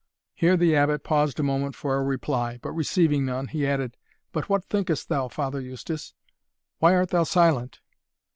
Here the Abbot paused a moment for a reply, but receiving none, he added, "But what thinkest thou, Father Eustace? why art thou silent?"